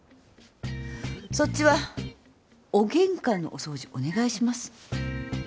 そっちはお玄関のお掃除をお願いします。